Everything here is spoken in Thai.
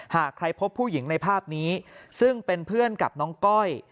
หากใครพบผู้หญิงในภาพนี้ซึ่งเป็นเพื่อนกับน้องก้อย